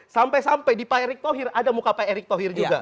sampai sampai di pak erick thohir ada muka pak erick thohir juga